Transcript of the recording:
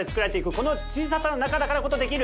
この小ささの中だからこそできる。